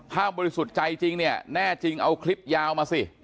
ถ้าบริสุทธิ์ใจจริงเนี่ยแน่จริงเอาคลิปยาวมาสิ